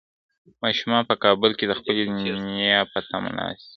ماشومان په کابل کې د خپلې نیا په تمه ناست دي.